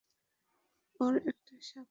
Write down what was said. আর এটা শামা মাসি।